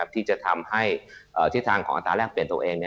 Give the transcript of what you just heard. ที่จะทำให้ทิศทางของอัตราแรกเปลี่ยนตัวเอง